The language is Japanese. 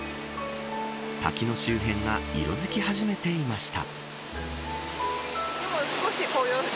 滝の周辺が色づき始めていました。